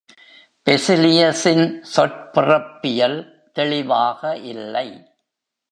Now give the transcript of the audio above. "பெசிலியஸின்" சொற்பிறப்பியல் தெளிவாக இல்லை.